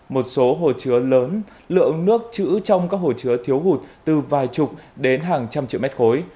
một số hồ chứa lớn lượng nước chữ trong các hồ chứa thiếu hụt từ vài chục đến hàng trăm triệu mét khối